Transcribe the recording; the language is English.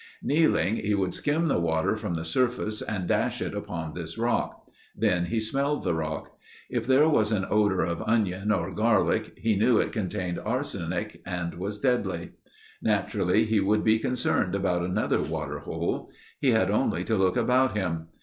Kneeling, he would skim the water from the surface and dash it upon this rock. Then he smelled the rock. If there was an odor of onion or garlic, he knew it contained arsenic and was deadly. Naturally, he would be concerned about another water hole. He had only to look about him.